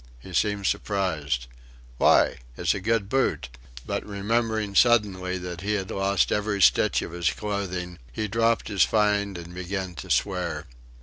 He seemed surprised. "Why? It's a good boot," but remembering suddenly that he had lost every stitch of his clothing, he dropped his find and began to swear.